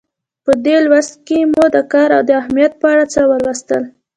په دې لوست کې مو د کار د اهمیت په اړه څه ولوستل.